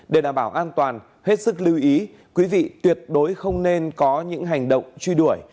để đảm bảo an toàn hết sức lưu ý quý vị tuyệt đối không nên có những hành động truy đuổi